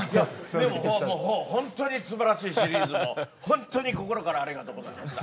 でももうほんとにすばらしいシリーズもほんとに心からありがとうございました。